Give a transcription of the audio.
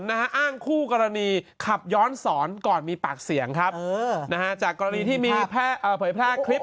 อ้างคู่กรณีขับย้อนสอนก่อนมีปากเสียงครับนะฮะจากกรณีที่มีเผยแพร่คลิป